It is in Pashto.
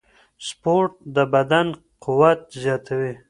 سپورت د بدن قوت زیاتوي.